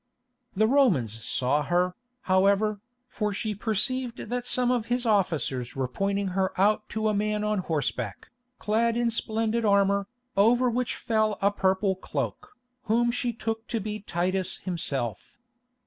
The Romans saw her, however, for she perceived that some of his officers were pointing her out to a man on horseback, clad in splendid armour, over which fell a purple cloak, whom she took to be Titus himself.